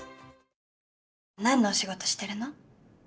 何のお仕事してるの？